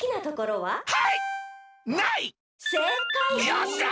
よっしゃ！